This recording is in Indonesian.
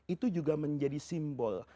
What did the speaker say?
itu juga menjadi simbol